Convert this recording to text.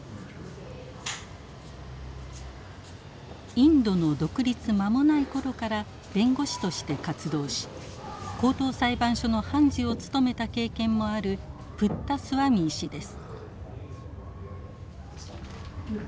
インドの独立間もない頃から弁護士として活動し高等裁判所の判事を務めた経験もあるプッタスワミー氏です。